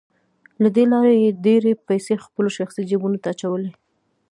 له دې لارې یې ډېرې پیسې خپلو شخصي جیبونو ته اچولې